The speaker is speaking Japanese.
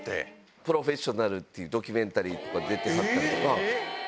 プロフェッショナルっていうドキュメンタリーとかに出てはったり